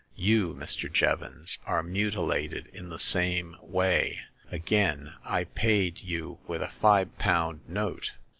You, Mr. Jevons, are mutilated in the same way. Again, I paid you with a five pound note.